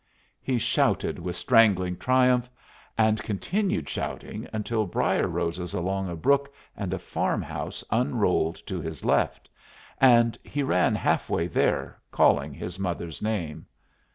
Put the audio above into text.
He shouted with strangling triumph, and continued shouting until brier roses along a brook and a farm house unrolled to his left, and he ran half way there, calling his mother's name.